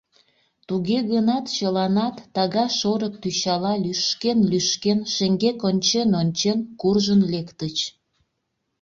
Туге гынат чыланат, тага-шорык тӱчала лӱшкен-лӱшкен, шеҥгек ончен-ончен, куржын лектыч.